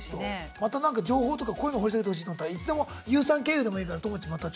またなんか情報とかこういうの掘り下げてほしいと思ったらいつでもＹＯＵさん経由でもいいからともち